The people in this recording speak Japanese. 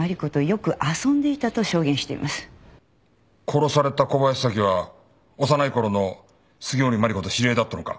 殺された小林早紀は幼い頃の杉森真梨子と知り合いだったのか。